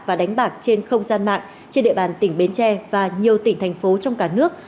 và đánh bạc trên không gian mạng trên địa bàn tỉnh bến tre và nhiều tỉnh thành phố trong cả nước